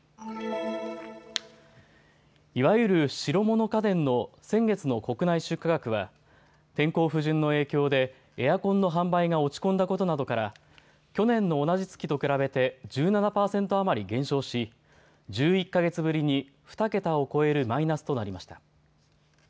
いわゆる白物家電の先月の国内出荷額は天候不順の影響でエアコンの販売が落ち込んだことなどから去年の同じ月と比べて１７％余り減少し１１か月ぶりに２桁を超えるマイナスとなりました。